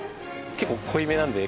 結構濃いめなので。